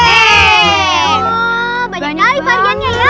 oh banyak banget